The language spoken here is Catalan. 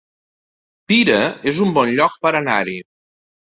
Pira es un bon lloc per anar-hi